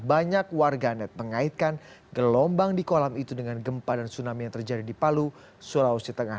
banyak warganet mengaitkan gelombang di kolam itu dengan gempa dan tsunami yang terjadi di palu sulawesi tengah